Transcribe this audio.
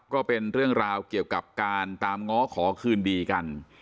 ก็เป็นเรื่องราวเกี่ยวกับการตามง้อขอคืนดีกัน